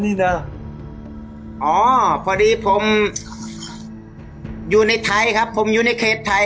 นี่เหรออ๋อพอดีผมอยู่ในไทยครับผมอยู่ในเขตไทย